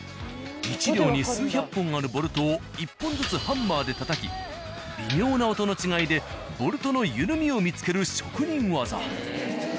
１両に数百本あるボルトを１本ずつハンマーでたたき微妙な音の違いでボルトの緩みを見つける職人技。